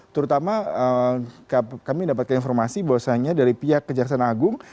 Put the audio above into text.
terutama kami mendapatkan informasi bahwasannya dari pihak kejaksaan agung